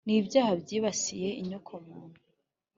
n'ibyaha byibasiye inyoko muntu